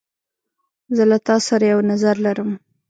زه له تا سره یو نظر لرم.